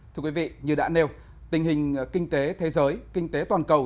thưa quý vị như đã nêu tình hình kinh tế thế giới kinh tế toàn cầu